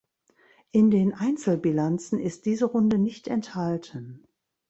In den Einzelbilanzen ist diese Runde nicht enthalten.